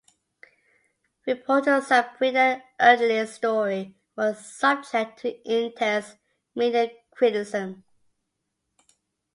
Reporter Sabrina Erdely's story was subject to intense media criticism.